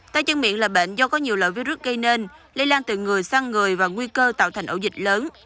tay chân miệng là bệnh do có nhiều lợi virus gây nên lây lan từ người sang người và nguy cơ tạo thành ổ dịch lớn